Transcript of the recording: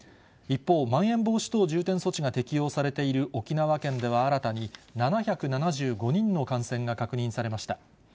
一方、まん延防止等重点措置が適用されている沖縄県では新たに７７５人の感染が確認されました。